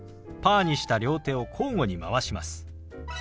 パーにした両手を交互に回します。